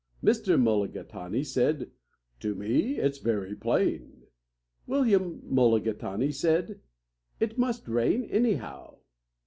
Mr. Mulligatawny said, "To me it's very plain." William Mulligatawny said, "It must rain, anyhow."